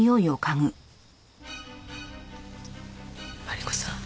マリコさん